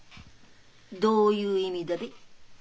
どういう意味だべ？